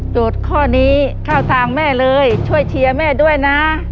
ข้อนี้เข้าทางแม่เลยช่วยเชียร์แม่ด้วยนะ